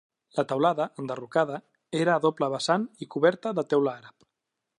La teulada, enderrocada, era a doble vessant i coberta de teula àrab.